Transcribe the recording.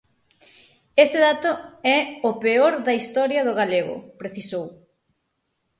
Este dato é o "peor da historia do galego", precisou.